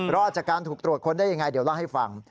รอดจากการถูกตรวจค้นได้ยังไงเดี๋ยวเล่าให้ฟัง